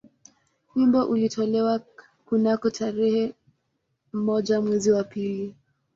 Wimbo ulitolewa kunako tarehe moja mwezi wa pili